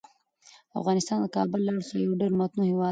افغانستان د کابل له اړخه یو ډیر متنوع هیواد دی.